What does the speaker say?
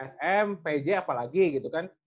sm pj apalagi gitu kan